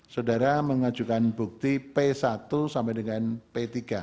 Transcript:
saudara mengajukan bukti p satu sampai dengan p tiga